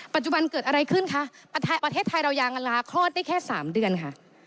ปัจจุบันเกิดอะไรขึ้นคะประเทศไทยเรายางลาคลอดได้แค่๓เดือนค่ะ